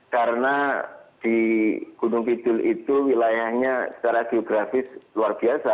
karena di gunung widul itu wilayahnya secara geografis luar biasa